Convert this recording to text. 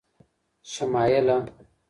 شمایله